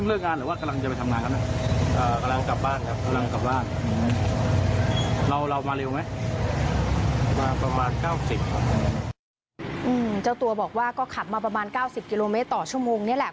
เจ้าตัวบอกว่าก็ขับมาประมาณ๙๐กิโลเมตรต่อชั่วโมงนี่แหละ